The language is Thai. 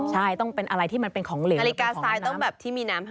ใช่ต้องเป็นอะไรที่มันเป็นของเหลวหรือของน้ำ